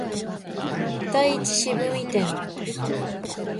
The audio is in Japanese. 第一四分位点